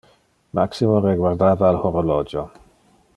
Maximo reguardava al horologio.